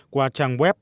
qua trang web